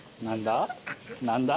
何だ？